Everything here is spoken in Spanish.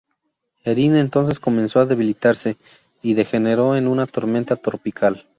Erin entonces comenzó a debilitarse y degeneró en una tormenta tropical.